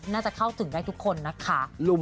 น่าจะเข้าถึงได้ทุกคนนะคะ